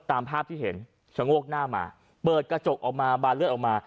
ตามภาพที่เห็นชะโงกหน้ามาเปิดกระจกออกมาบานเลือดออกมา